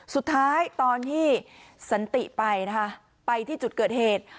สุดท้ายตอนที่สันติไปนะคะไปที่จุดเกิดเหตุ